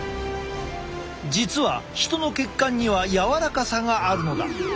実は人の血管には柔らかさがあるのだ。